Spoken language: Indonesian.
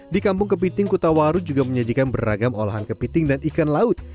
di kampung kepiting kutawaru juga menyajikan beragam olahan kepiting dan ikan laut